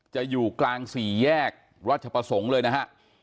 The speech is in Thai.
อยู่กลางสี่แยกราชประสงค์เลยนะฮะ